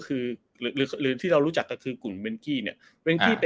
กลุ่มเวนกี้ก็คือหรือที่เรารู้จักก็คือกลุ่มเวนกี้เนี่ย